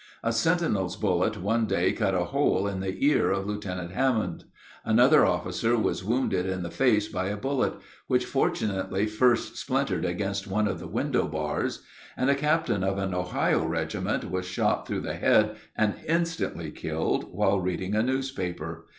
A sentinel's bullet one day cut a hole in the ear of Lieutenant Hammond; another officer was wounded in the face by a bullet, which fortunately first splintered against one of the window bars; and a captain of an Ohio regiment was shot through the head and instantly killed while reading a newspaper.